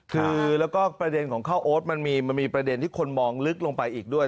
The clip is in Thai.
คือแล้วก็ประเด็นของข้าวโอ๊ตมันมีประเด็นที่คนมองลึกลงไปอีกด้วย